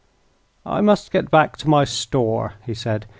"I must get back to my store," he said.